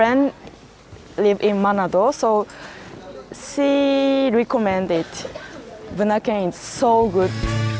teman saya tinggal di manado jadi dia menariknya bunaken sangat bagus